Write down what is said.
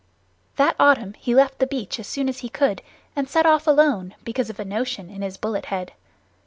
That autumn he left the beach as soon as he could, and set off alone because of a notion in his bullet head.